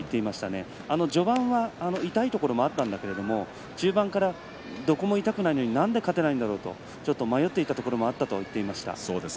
序盤は痛いところもあったんだけれど中盤から、どこも痛くないのになんで勝てないんだろう？と迷っていたところもあった